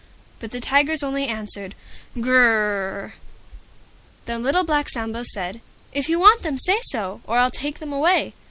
But the Tigers only answered, "Gr r rrrr!" Then Little Black Sambo said, "If you want them, say so, or I'll take them away."